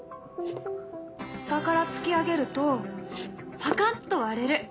下から突き上げるとパカッと割れる。